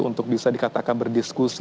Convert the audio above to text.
untuk bisa dikatakan berdiskusi